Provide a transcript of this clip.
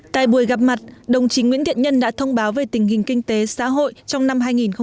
tại buổi gặp mặt đồng chí nguyễn thiện nhân đã thông báo về tình hình kinh tế xã hội trong năm hai nghìn một mươi chín